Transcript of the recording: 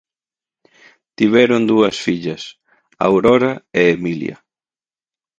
Tiveron dúas fillas, Aurora e Emilia.